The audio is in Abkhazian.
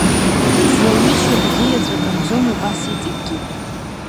Злаҩычоу абӷьы иаҵәа канӡом, убас иҵегьгьы.